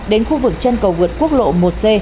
đến khu vực chân cầu vượt quốc lộ một c